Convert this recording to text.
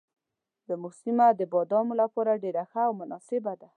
زموږ سیمه د بادامو لپاره ډېره ښه او مناسبه ده.